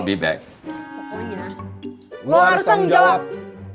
apaan hubungan jangan yang luarwith